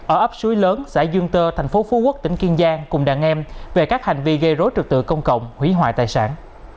ở ấp suối lớn xã dương tơ thành phố phú quốc tỉnh kiên giang cùng đàn em về các hành vi gây rối trực tự công cộng hủy hoại tài sản